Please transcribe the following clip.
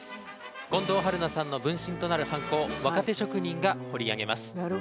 近藤春菜さんの分身となるハンコを若手職人が彫り上げます。